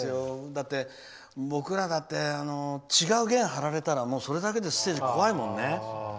だって僕らだって違う弦張られたらそれだけでステージ、怖いもんね。